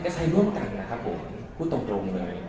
ก็ใช้ร่วมกันผมพูดตรงเลย